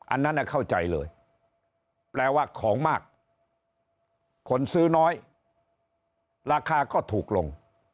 อันนั้นเข้าใจเลยแปลว่าของมากคนซื้อน้อยราคาก็ถูกลง